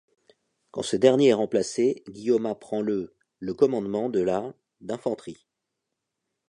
Quand ce dernier est remplacé, Guillaumat prend le le commandement de la d'infanterie.